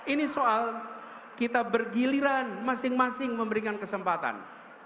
ini soal kita bergiliran masing masing memberikan kesempatan